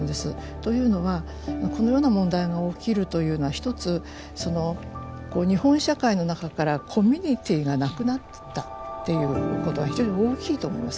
というのはこのような問題が起きるというのはひとつ日本社会の中からコミュニティーがなくなったっていうことが非常に大きいと思います。